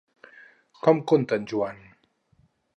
Com conta en Joan?